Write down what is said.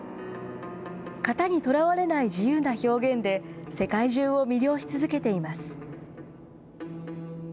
型にとらわれない自由な表現で、世界中を魅了し続けています。